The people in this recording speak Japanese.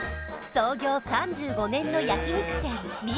創業３５年の焼肉店味